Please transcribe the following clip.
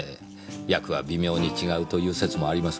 訳は微妙に違うという説もありますが。